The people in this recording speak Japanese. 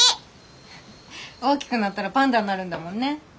大きくなったらパンダになるんだもんね。